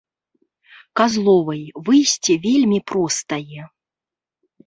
Казловай, выйсце вельмі простае.